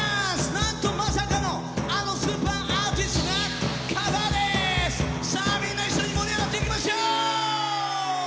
何とまさかのあのスーパーアーティストがカバーですさあみんな盛り上がっていきましょう。